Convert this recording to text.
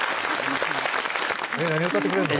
何歌ってくれんの？